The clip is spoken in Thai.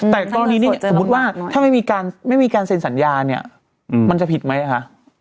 แต่กรณีนี้สมมุติว่าถ้าไม่มีการเซ็นสัญญาเนี่ยมันจะผิดไหมคะ